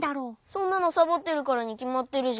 そんなのサボってるからにきまってるじゃん。